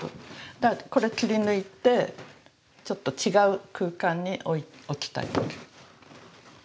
だからこれ切り抜いてちょっと違う空間に置きたいわけ。